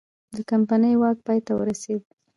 د کمپنۍ واک پای ته ورسید.